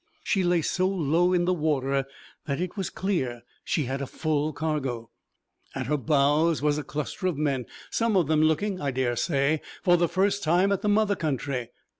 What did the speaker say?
She lay so low in the water that it was clear she had a full cargo. At her bows were a cluster of men, some of them looking, I dare say, for the first time at the mother country.